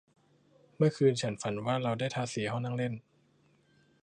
เมื่อคืนนี้ฉันฝันว่าเราได้ทาสีห้องนั่งเล่น